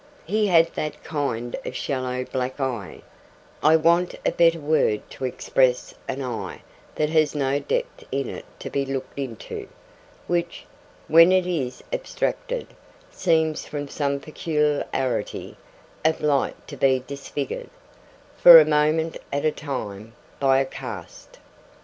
He had that kind of shallow black eye I want a better word to express an eye that has no depth in it to be looked into which, when it is abstracted, seems from some peculiarity of light to be disfigured, for a moment at a time, by a cast.